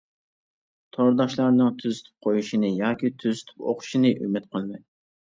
تورداشلارنىڭ تۈزىتىپ قويۇشىنى ياكى تۈزىتىپ ئوقۇشىنى ئۈمىد قىلىمەن.